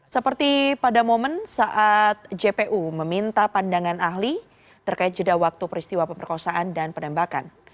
seperti pada momen saat jpu meminta pandangan ahli terkait jeda waktu peristiwa pemerkosaan dan penembakan